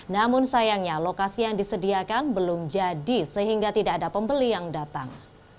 namun sayangnya lokasi yang disediakan belum jadi sehingga tidak ada pembeli yang datang